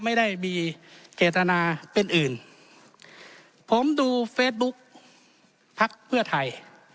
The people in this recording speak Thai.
ไม่ได้มีเจตนาเป็นอื่นผมดูเฟซบุ๊กพักเพื่อไทย